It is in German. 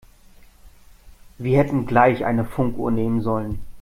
Wir hätten gleich eine Funkuhr nehmen sollen.